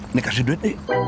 ini kasih duit